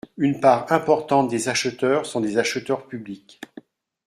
Une part importante des acheteurs sont des acheteurs publics.